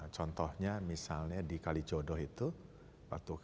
contohnya misalnya di kalijodo itu